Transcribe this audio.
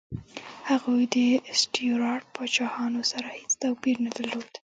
هغوی د سټیوراټ پاچاهانو سره هېڅ توپیر نه درلود.